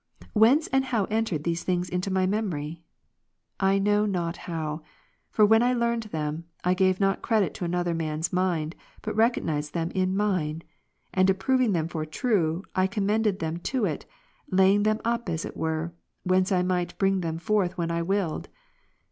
Whence and how entered these things into my memory ? I know not how. For when I learned them, I gave not credit to another man's mind, but recognized them in mine; and approving them for true, I commended them to it, la}ang them up as it were, whence I might bring them forth when I willed.